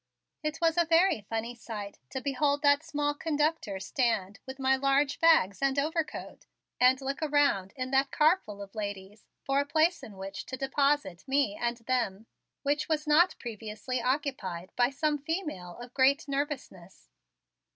It was a very funny sight to behold that small conductor stand with my large bags and overcoat and look around at that car full of ladies for a place in which to deposit me and them, which was not previously occupied by some female of great nervousness.